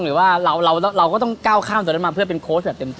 หรือว่าเราก็ต้องก้าวข้ามตรงนั้นมาเพื่อเป็นโค้ชแบบเต็มตัว